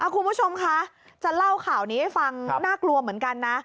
คุณผู้ชมคะจะเล่าข่าวนี้ให้ฟังน่ากลัวเหมือนกันนะ